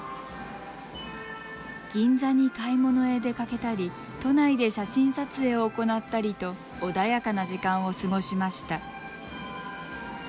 銀座に買い物へ出かけたり都内で写真撮影を行ったりと穏やかな時間を過ごしました。